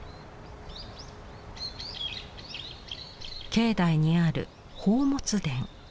境内にある宝物殿。